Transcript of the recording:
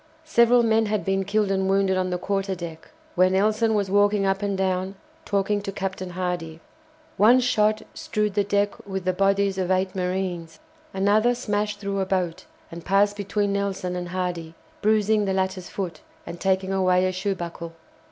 Several men had been killed and wounded on the quarter deck, where Nelson was walking up and down talking to Captain Hardy. One shot strewed the deck with the bodies of eight marines. Another smashed through a boat, and passed between Nelson and Hardy, bruising the latter's foot, and taking away a shoe buckle.